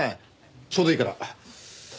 ちょうどいいから。